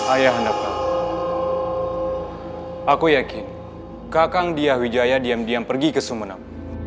ayah anda prabu aku yakin kakang diyahwijaya diam diam pergi ke sumenap